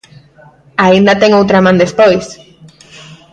Aínda ten outra man despois.